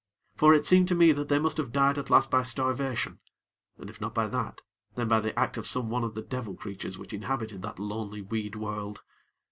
For it seemed to me that they must have died at last by starvation, and if not by that, then by the act of some one of the devil creatures which inhabited that lonely weed world.